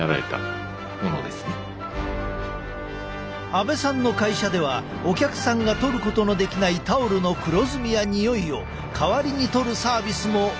阿部さんの会社ではお客さんが取ることのできないタオルの黒ずみやにおいを代わりに取るサービスも行っているのだ。